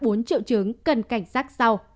bốn triệu chứng cần cảnh sát sau